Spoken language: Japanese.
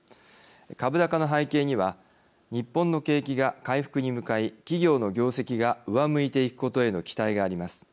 株高の背景には日本の景気が回復に向かい企業の業績が上向いていくことへの期待があります。